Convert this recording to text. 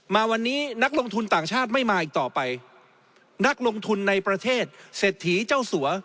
มาวันนี้นักลงทุนต่างชาติไม่มาอีกต่อไปนักลงทุนในประเทศเศรษฐีเจ้าสัว